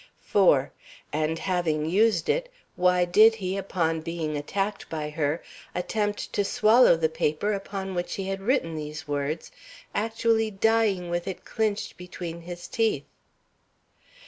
4. And having used it, why did he, upon being attacked by her, attempt to swallow the paper upon which he had written these words, actually dying with it clinched between his teeth?